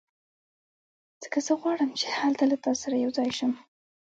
ځکه زه غواړم چې هلته له تا سره یو ځای شم